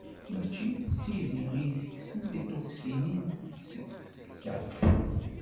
Mačči d tidi i itekksen tiṭuksinin seg tfekka.